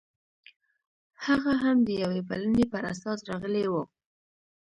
هغه هم د یوې بلنې پر اساس راغلی و